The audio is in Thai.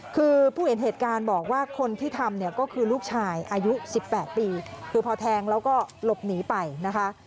คือผู้เห็นเหตุการณ์บอกว่าคนที่ทำเนี่ยก็คือลูกชายอายุ๑๘ปีคือพอแทงแล้วก็หลบหนีไปนะคะ